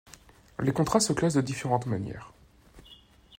Les contrats se classent de différentes manières.